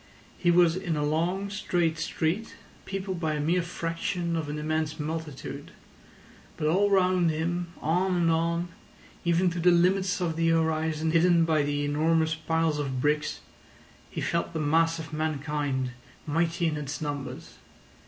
He was in a long, straight street, peopled by a mere fraction of an immense multitude; but all round him, on and on, even to the limits of the horizon hidden by the enormous piles of bricks, he felt the mass of mankind mighty in its numbers.